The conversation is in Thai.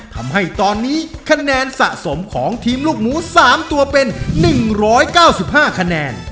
ทำให้ตอนนี้คะแนนสะสมของทีมลูกหมู๓ตัวเป็น๑๙๕คะแนน